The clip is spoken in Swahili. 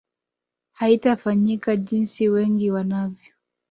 haitafanyika jinsi wengi wanavyo